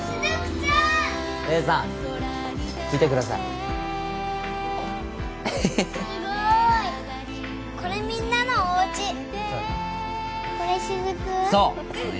すごーいこれみんなのおうちこれ雫？